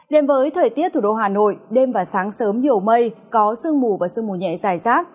đến với thời tiết thủ đô hà nội đêm và sáng sớm nhiều mây có sương mù và sương mù nhẹ dài rác